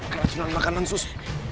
kerajunan makanan sus